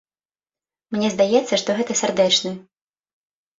Мне здаецца, што гэта сардэчны.